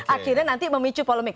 akhirnya nanti memicu polemik